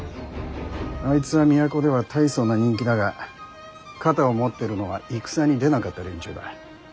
あいつは都では大層な人気だが肩を持ってるのは戦に出なかった連中だ。